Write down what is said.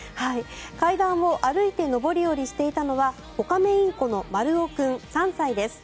階段を歩いて上り下りしていたのはオカメインコのマル男君、３歳です。